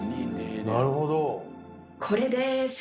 なるほど。